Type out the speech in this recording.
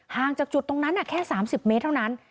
ห่างจากจุดตรงนั้นแค่๓๐เมตรเท่านั้น